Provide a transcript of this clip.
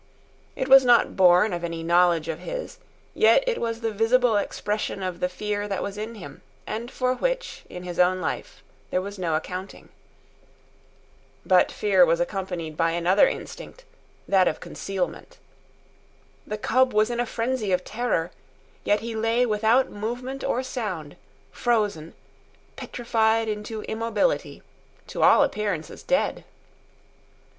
It was not born of any knowledge of his, yet it was the visible expression of the fear that was in him, and for which, in his own life, there was no accounting. But fear was accompanied by another instinct—that of concealment. The cub was in a frenzy of terror, yet he lay without movement or sound, frozen, petrified into immobility, to all appearances dead.